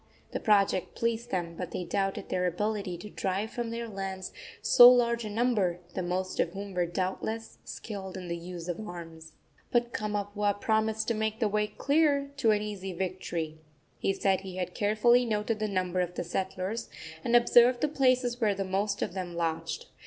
The project pleased them, but they doubted their ability to drive from their lands so large a number, the most of whom were doubtless skilled in the use of arms. But Kamapuaa promised to make the way clear to an easy victory. He said he had carefully noted the number of the settlers, and observed the places where the most of them lodged.